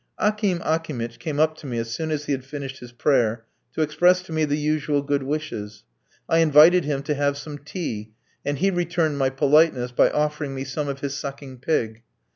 Akim Akimitch came up to me as soon as he had finished his prayer, to express to me the usual good wishes. I invited him to have some tea, and he returned my politeness by offering me some of his sucking pig.